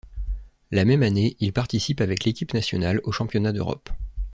La même année, il participe avec l'équipe nationale au Championnat d'Europe.